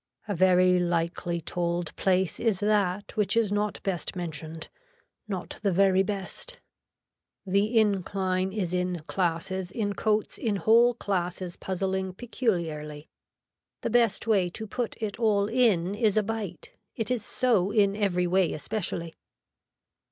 A very likely told place is that which is not best mentioned, not the very best. The incline is in classes in coats in whole classes puzzling peculiarly. The best way to put it all in is a bite, it is so in every way especially.